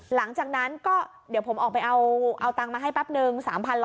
หลังจากนั้นก็เดี๋ยวผมออกไปเอาตังค์มาให้แป๊บนึง